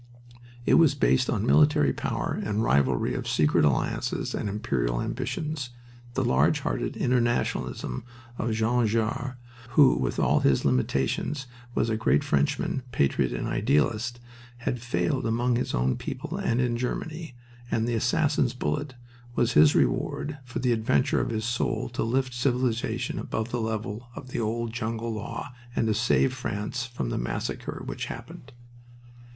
It was based on military power and rivalry of secret alliances and imperial ambitions. The large hearted internationalism of Jean Jaures, who with all his limitations was a great Frenchman, patriot, and idealist, had failed among his own people and in Germany, and the assassin's bullet was his reward for the adventure of his soul to lift civilization above the level of the old jungle law and to save France from the massacre which happened.